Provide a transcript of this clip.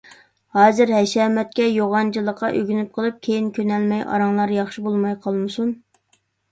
ھازىر ھەشەمەتكە، يوغانچىلىققا ئۆگىنىپ قېلىپ، كېيىن كۆنەلمەي ئاراڭلار ياخشى بولماي قالمىسۇن.